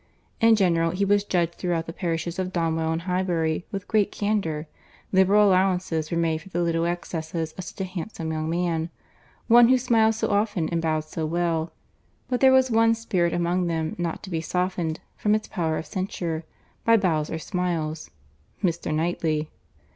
In general he was judged, throughout the parishes of Donwell and Highbury, with great candour; liberal allowances were made for the little excesses of such a handsome young man—one who smiled so often and bowed so well; but there was one spirit among them not to be softened, from its power of censure, by bows or smiles—Mr. Knightley.